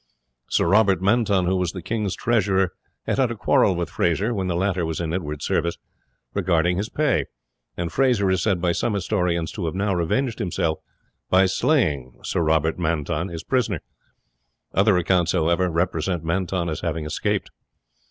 Sir Robert Manton, who was the king's treasurer, had had a quarrel with Fraser, when the latter was in Edward's service, regarding his pay; and Fraser is said by some historians to have now revenged himself by slaying his prisoner. Other accounts, however, represent Manton as having escaped.